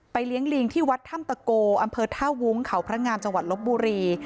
เลี้ยงลิงที่วัดถ้ำตะโกอำเภอท่าวุ้งเขาพระงามจังหวัดลบบุรี